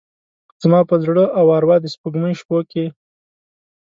زما پر زړه او اروا د سپوږمۍ شپوکې،